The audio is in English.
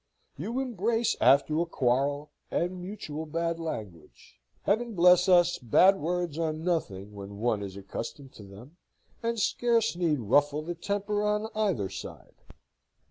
You embrace after a quarrel and mutual bad language. Heaven bless us! Bad words are nothing when one is accustomed to them, and scarce need ruffle the temper on either side.